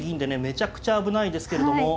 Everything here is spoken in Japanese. めちゃくちゃ危ないですけれども。